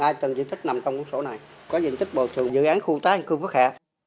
ai tầng diện tích nằm trong quốc sổ này có diện tích bộ thường dự án khu tái định cư phước hạ